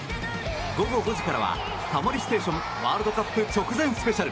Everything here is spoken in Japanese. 午後５時からは「タモリステーションワールドカップ直前ＳＰ」。